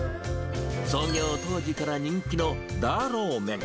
創業当時から人気のダーロー・メン。